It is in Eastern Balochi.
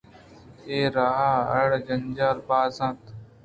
اے راہ ءِ اڑ ءُجنجال باز اِت اَنت